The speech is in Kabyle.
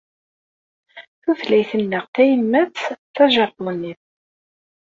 Tutlayt-nteɣ tayemmat d tajapunit.